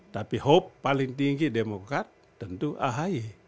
tapi hope paling tinggi demokrat tentu ahy